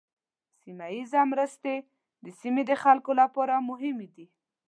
سیمه ایزه مرستې د سیمې د خلکو لپاره مهمې دي.